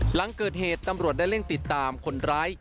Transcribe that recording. หลังเกิดเหตุตำรวจได้เร่งติดตามคนร้าย